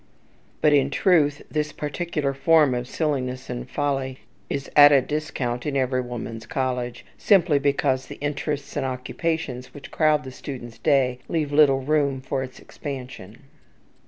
But, in truth, this particular form of silliness and folly is at a discount in every woman's college, simply because the interests and occupations which crowd the student's day leave little room for its expansion.